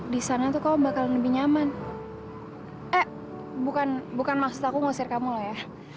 disana tuh kau bakalan lebih nyaman eh bukan bukan maksud aku ngusir kamu ya